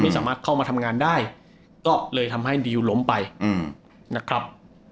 สามารถเข้ามาทำงานได้ก็เลยทำให้ดิวล้มไปนะครับ